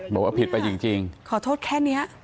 บอกว่าผิดไปจริงขอโทษแค่นี้